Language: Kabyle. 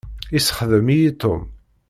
Yessexdem-iyi Tom.